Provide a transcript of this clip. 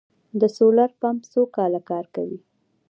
د سولر پمپ څو کاله کار کوي؟